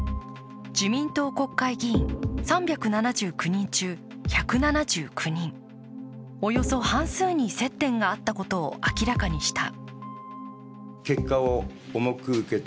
自民党国会議員３７９人中１７９人、およそ半数に接点があったことを明らかにした。